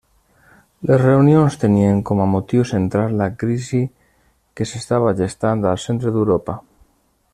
Les reunions tenien com a motiu central la crisi que s'estava gestant al centre d'Europa.